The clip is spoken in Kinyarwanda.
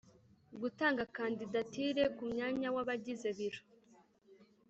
Gutanga kandidatire ku mwanya w’ abagize Biro